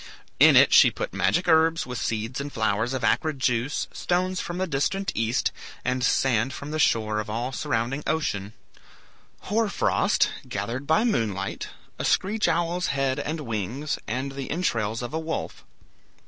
In it she put magic herbs, with seeds and flowers of acrid juice, stones from the distant east, and sand from the shore of all surrounding ocean; hoar frost, gathered by moonlight, a screech owl's head and wings, and the entrails of a wolf.